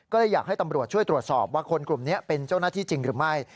ก็เลยอยากให้ตำรวจช่วยตรวจสอบว่าคนกลุ่มนี้เป็นเจ้าหน้าที่จริงหรือไม่